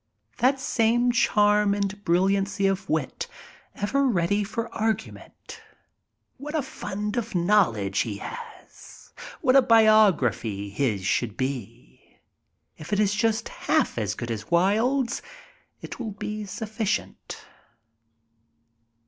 That same charm and brilliancy of wit, ever ready for argument. What a fund of knowledge he has. What a biography his should be. If it is just half as good as Wilde's, it will be sufficient.